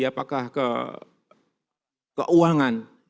apakah ke uang